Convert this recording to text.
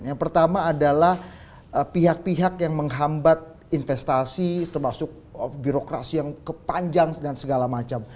yang pertama adalah pihak pihak yang menghambat investasi termasuk birokrasi yang kepanjang dan segala macam